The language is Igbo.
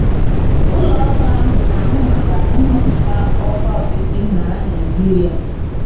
ụlọọrụ ahụ na-ahụ maka nhọpụta ọkwa ọchịchị n'ala Nigeria